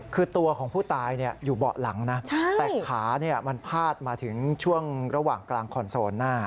คือตัวของผู้ตายอยู่เบาะหลังนะแต่ขามันพาดมาถึงช่วงระหว่างกลางคอนโซลหน้า